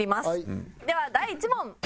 では第１問。